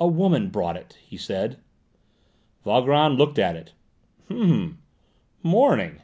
"A woman brought it," he said. Valgrand looked at it. "H'm! Mourning!